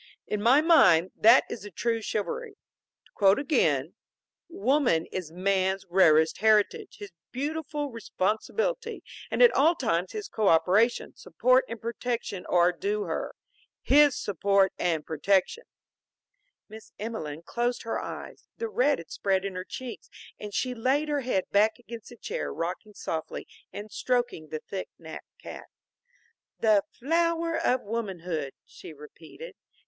In my mind, that is the true chivalry. To quote again, 'Woman is man's rarest heritage, his beautiful responsibility, and at all times his co operation, support and protection are due her. His support and protection.'" Miss Emelene closed her eyes. The red had spread in her cheeks and she laid her head back against the chair, rocking softly and stroking the thick napped cat. "The flower of womanhood," she repeated.